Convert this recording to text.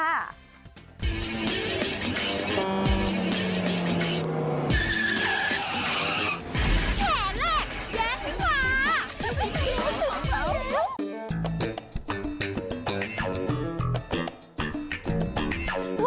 แชร์แหลกแยกวิภา